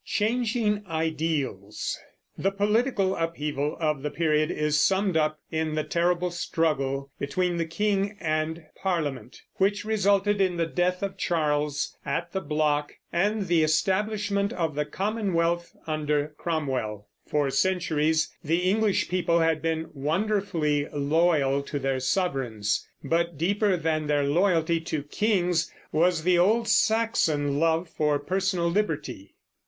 CHANGING IDEALS. The political upheaval of the period is summed up in the terrible struggle between the king and Parliament, which resulted in the death of Charles at the block and the establishment of the Commonwealth under Cromwell. For centuries the English people had been wonderfully loyal to their sovereigns; but deeper than their loyalty to kings was the old Saxon love for personal liberty.